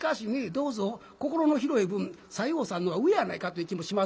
「どうぞ」心の広い分西郷さんの方が上やないかという気もしますけれどもね。